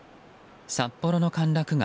札幌の歓楽街